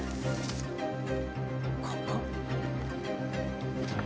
ここ。